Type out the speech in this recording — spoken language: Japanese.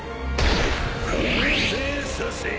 完成させよう